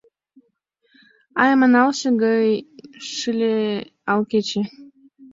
Айманалше гай шыле ал кече.